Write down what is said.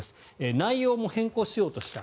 内容も変更しようとした。